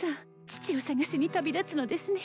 父をさがしに旅立つのですね